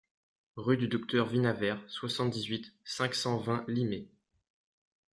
Rue du Docteur Vinaver, soixante-dix-huit, cinq cent vingt Limay